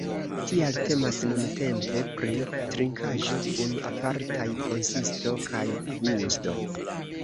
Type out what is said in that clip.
Tial temas nuntempe pri trinkaĵo kun apartaj konsisto kaj gusto.